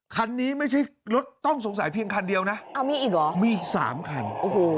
คันนี้ไม่ใช่รถต้องสงสัยเพียงคันเดียวนะเอามีอีกเหรอมีสามคันโอ้โห